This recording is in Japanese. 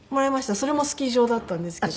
それもスキー場だったんですけど。